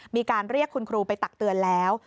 มีการเรียกคุณครูไปตักเตือนแล้ว